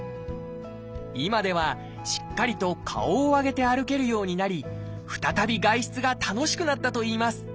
今ではしっかりと顔を上げて歩けるようになり再び外出が楽しくなったといいます。